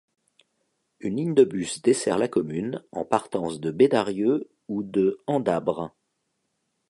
Une ligne de bus dessert la commune, en partance de Bédarieux ou de Andabre.